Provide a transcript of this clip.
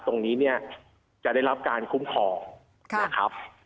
ตรงนี้เนี่ยจะได้รับการคุ้มครองนะครับ